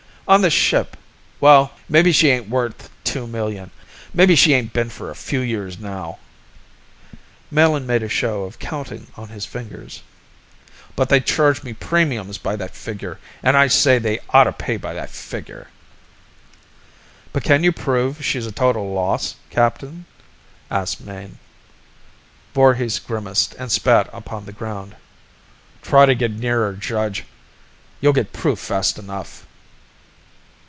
On the ship ... well, maybe she ain't worth two million. Maybe she ain't been for a few years now " Melin made a show of counting on his fingers. "... But they charged me premiums by that figure an' I say they oughta pay by that figure." "But can you prove she's a total loss, captain?" asked Mayne. Voorhis grimaced and spat upon the ground. "Try to get near her, Judge! You'll get proof fast enough!"